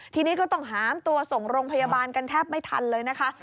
ทีนี้ก็ต้องหามตัวส่งโรงพยาบาลกันแทบไม่ทันเลยนะคะ